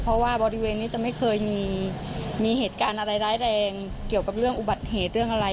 เพราะว่าบริเวณนี้จะไม่เคยมีเหตุการณ์อะไรร้ายแรงเกี่ยวกับเรื่องอุบัติเหตุเรื่องอะไร